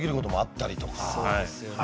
そうですよね。